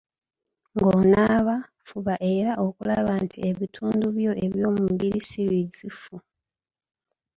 Ng'onaaba, fuba era okulaba nti ebitundu byo ebyomubiri si bizifu.